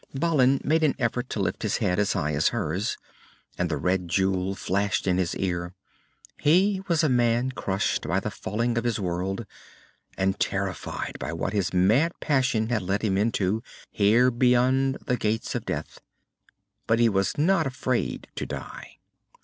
Balin made an effort to lift his head as high as hers, and the red jewel flashed in his ear. He was a man crushed by the falling of his world, and terrified by what his mad passion had led him into, here beyond the Gates of Death. But he was not afraid to die.